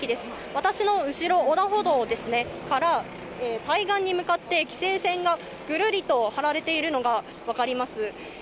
私の後ろ、横断歩道から対岸に向かって規制線がぐるりと張れているのがわかります。